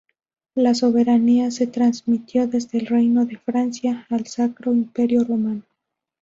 La soberanía se transmitió desde el reino de Francia al Sacro Imperio Romano.